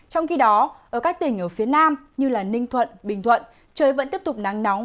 trong khi đó ở các tỉnh ở phía nam như ninh thuận bình thuận trời vẫn tiếp tục nắng nóng